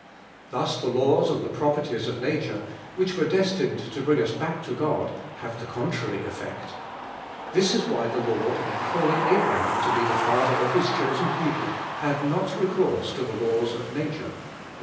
Thus the laws and the properties of nature, which were destined to bring as back to God have the contrary effect This is why the Lord in calling Abraham to be the father of His chosen people had not recourse to I he laws of nature (Rom.